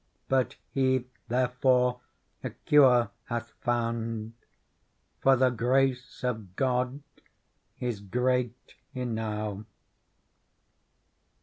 But He therefor a cure hath found ; For the grace of God is great enow.